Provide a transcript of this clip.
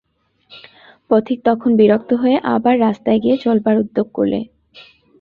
পথিক তখন বিরক্ত হয়ে আবার রাস্তায় গিয়ে চলবার উদ্যোগ করলে।